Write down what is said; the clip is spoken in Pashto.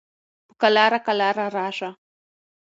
په قلاره قلاره راشه